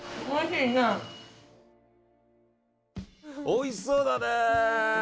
おいしそうだね！